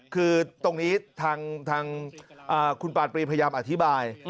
คือตรงนี้ทางคุณปานปรีพยายามอธิบาย